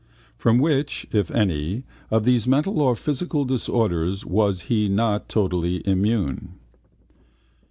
From which (if any) of these mental or physical disorders was he not totally immune?